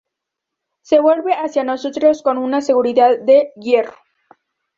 Se vuelve hacia nosotros con una seguridad de hierro.